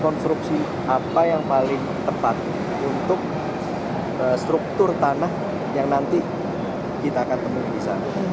konstruksi apa yang paling tepat untuk struktur tanah yang nanti kita akan temui di sana